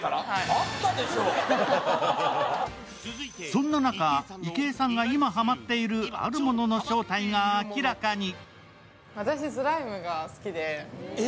そんな中、池江さんが今ハマっているあのものの正体が明らかに。